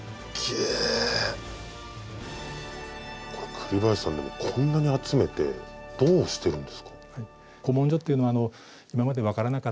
栗林さんでもこんなに集めてどうしてるんですか？